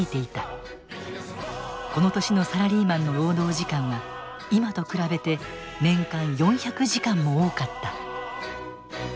この年のサラリーマンの労働時間は今と比べて年間４００時間も多かった。